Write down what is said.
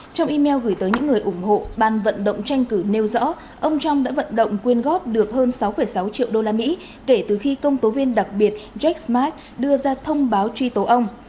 trong email gửi tới những người ủng hộ ban vận động tranh cử nêu rõ ông trump đã vận động quyên góp được hơn sáu sáu triệu đô la mỹ kể từ khi công tố viên đặc biệt jack smart đưa ra thông báo truy tố ông